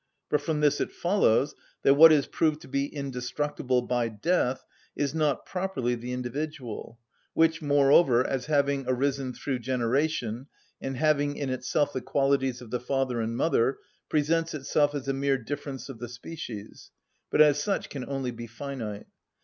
But from this it follows that what is proved to be indestructible by death is not properly the individual, which, moreover, as having arisen through generation, and having in itself the qualities of the father and mother, presents itself as a mere difference of the species, but as such can only be finite.